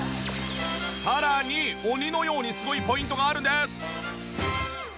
さらに鬼のようにすごいポイントがあるんです。